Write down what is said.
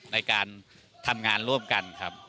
ในการทำงานร่วมกันครับ